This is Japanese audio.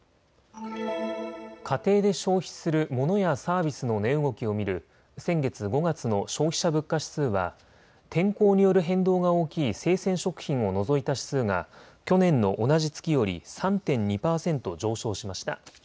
家庭で消費するモノやサービスの値動きを見る先月５月の消費者物価指数は天候による変動が大きい生鮮食品を除いた指数が去年の同じ月より３．２％上昇しました。